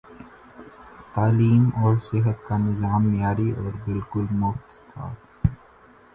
تعلیم اور صحت کا نظام معیاری اور بالکل مفت تھا۔